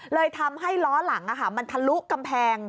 เลยทำให้ล้อหลังมันทะลุกำแพง